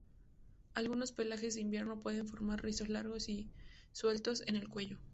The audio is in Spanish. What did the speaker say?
Algunos pelajes de invierno puede formar rizos largos y sueltos en el cuello.